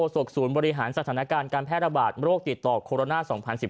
ศกศูนย์บริหารสถานการณ์การแพร่ระบาดโรคติดต่อโคโรนา๒๐๑๙